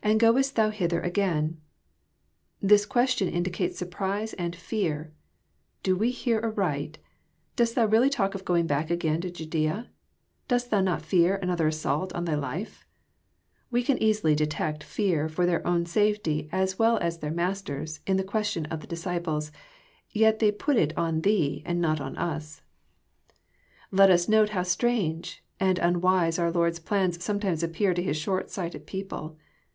lAnd goest thou thither againf^ This question indicates sur prise and fear, —" Do we hear aright ? Dost Thou really talk of going back again to Judaea? Dost Thou not fear another as sault on Thy life?" We can easily detect fear for their own safety, as well as their Master's, in the question of the disciples : yet they put it on thee," and not on us." Let us note how strange and unwise our Lord's plans some times appear to His short sighted people.